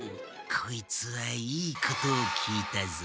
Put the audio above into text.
こいつはいいことを聞いたぞ。